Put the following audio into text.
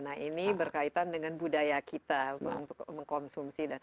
nah ini berkaitan dengan budaya kita untuk mengkonsumsi